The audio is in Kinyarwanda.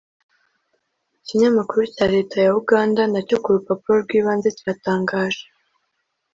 ikinyamakuru cya leta ya uganda, , na cyo ku rupapuro rw'ibanze cyatangaje